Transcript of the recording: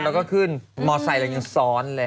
เราก็ขึ้นมอเซจยังซ้อนเลย